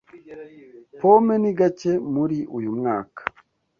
Pome nigake muri uyu mwaka.